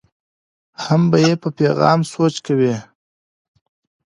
هم به یې په پیغام سوچ کوي.